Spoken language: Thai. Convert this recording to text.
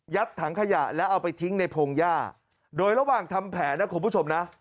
ถังขยะแล้วเอาไปทิ้งในพงหญ้าโดยระหว่างทำแผนนะคุณผู้ชมนะ